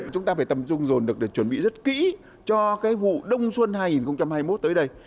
chúng ta phải tầm dung dồn được chuẩn bị rất kỹ cho vụ đông xuân hai nghìn hai mươi một tới đây